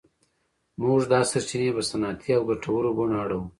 موږ دا سرچینې په صنعتي او ګټورو بڼو اړوو.